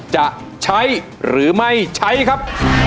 จะใช้หรือไม่ใช้ครับ